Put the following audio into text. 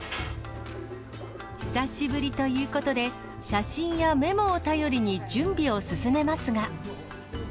久しぶりということで、写真やメモを頼りに準備を進めますが。